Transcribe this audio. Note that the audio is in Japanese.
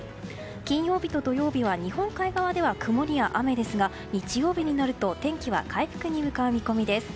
金曜日と土曜日は日本海側では曇りや雨ですが日曜日になると天気は回復に向かう見込みです。